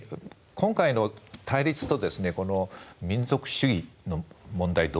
今回の対立と民族主義の問題